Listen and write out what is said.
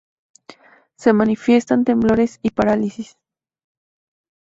Se manifiestan temblores y parálisis.